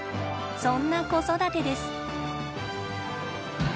そんな子育てです。